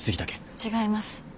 違います。